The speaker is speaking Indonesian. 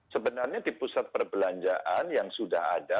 sebenarnya di pusat perbelanjaan yang sudah ada